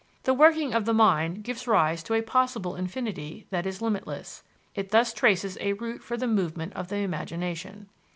The working of the mind gives rise to a possible infinity that is limitless: it thus traces a route for the movement of the imagination.